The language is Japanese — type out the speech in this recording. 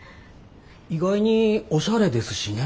意外におしゃれですしね。